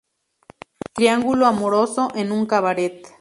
Triángulo amoroso en un cabaret.